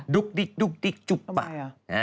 ดุ๊กดิ๊กดุ๊กดิ๊กจุ๊บปาก